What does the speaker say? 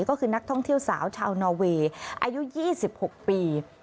ก็คือนักท่องเที่ยวสาวชาวนอเวย์อายุ๒๖ปี